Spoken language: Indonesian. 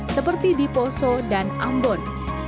seperti di poso dan ambon